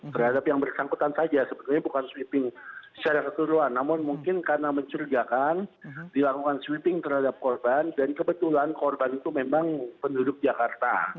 terhadap yang bersangkutan saja sebetulnya bukan sweeping secara keseluruhan namun mungkin karena mencurigakan dilakukan sweeping terhadap korban dan kebetulan korban itu memang penduduk jakarta